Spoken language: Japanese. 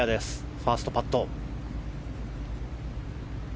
ファーストパット。